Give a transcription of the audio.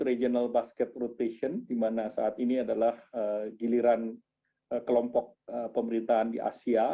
regional basket rotation di mana saat ini adalah giliran kelompok pemerintahan di asia